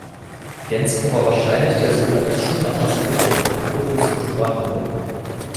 Gentzkow war wahrscheinlich der Sohn eines Schuhmachers in Wittstock im Kurfürstentum Brandenburg.